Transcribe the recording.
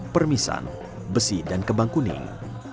permisan besi dan kebang kuning